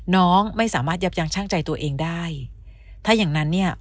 น้องไม่สามารถยับยั้งช่างใจตัวเองได้ถ้าอย่างงั้นเนี่ย